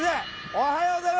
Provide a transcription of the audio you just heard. おはようございます！